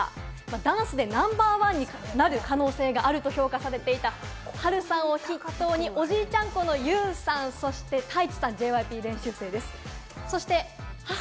ダンスでナンバーワンになる可能性があると評価されていたハルさんを筆頭におじいちゃん子のユウさん、そしてタイチさん、ＪＹＰ練習生です。